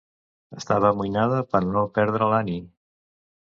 Estava amoïnada per no perdre l'Annie.